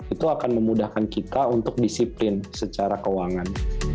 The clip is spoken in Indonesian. itu akan memudahkan kita untuk disiplin secara keuangan